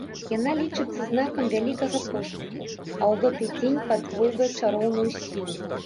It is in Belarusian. Яна лічыцца знакам вялікага поспеху, а ў гэты дзень падвойвае чароўную сілу.